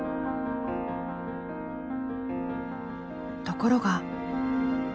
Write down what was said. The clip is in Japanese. ところが。